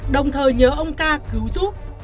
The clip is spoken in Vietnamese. đồng thời nhớ ông ca cứu giúp